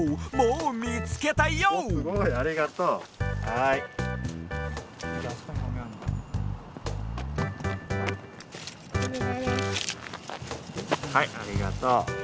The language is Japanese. はいありがとう。